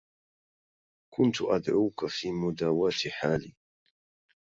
كنت أدعوك في مداواة حالي